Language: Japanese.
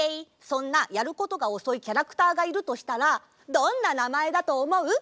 そんなやることがおそいキャラクターがいるとしたらどんななまえだとおもう？